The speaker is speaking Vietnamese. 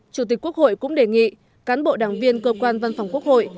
chủ tịch quốc hội cũng đề nghị cán bộ đảng viên cơ quan văn phòng quốc hội